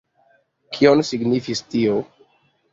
Kion signifis tio?